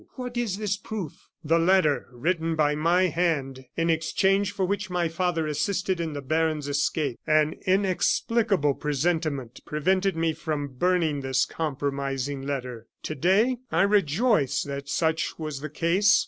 "What is this proof?" "The letter written by my hand, in exchange for which my father assisted in the baron's escape. An inexplicable presentiment prevented me from burning this compromising letter. To day, I rejoice that such was the case.